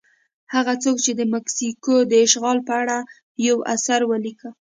هغه څوک چې د مکسیکو د اشغال په اړه یو اثر ولیکه.